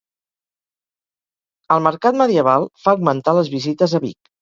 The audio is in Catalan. El Mercat Medieval fa augmentar les visites a Vic